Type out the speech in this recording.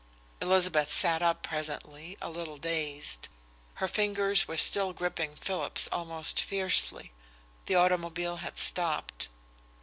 Elizabeth sat up presently, a little dazed. Her fingers were still gripping Philip's almost fiercely. The automobile had stopped.